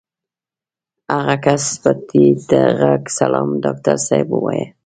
هغه کس په ټيټ غږ سلام ډاکټر صاحب ووايه.